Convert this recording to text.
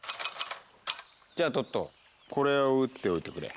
じゃあトットこれを打っておいてくれ。